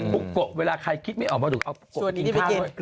ปุโกะเวลาใครคิดไม่ออกมาถึงเอาปุโกะไปกินข้าว